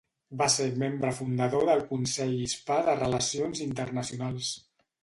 Va ser membre fundador del Consell Hispà de Relacions Internacionals.